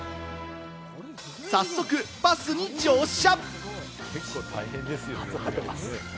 早速バスに乗車。